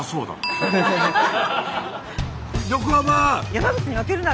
山口に負けるな！